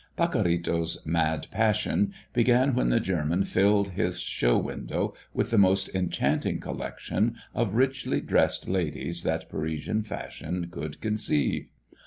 Pacorrito's mad passion began when the German filled his show window with the most enchanting collection of richly dressed ladies that Parisian fancy could conceive.